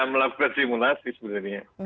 melakukan simulasi sebenarnya